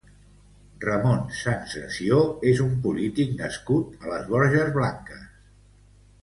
Ramon Sans Gassio és un polític nascut a les Borges Blanques.